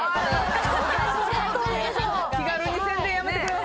気軽に宣伝やめてください。